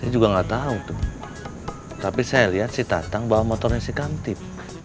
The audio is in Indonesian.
juga enggak tahu tapi saya lihat si tatang bahwa motornya si kantip